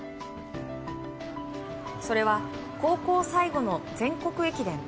それは、高校最後の全国駅伝。